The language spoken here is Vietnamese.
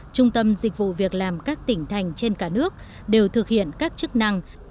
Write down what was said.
trung tâm dịch vụ việc làm các tỉnh thành trên cả nước đều thực hiện các chức năng